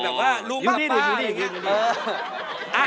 แบบว่าลุงป๊าป๊างั้น